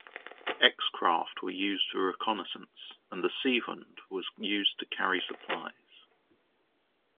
X-craft were used for reconnaissance, and the "Seehund" was used to carry supplies.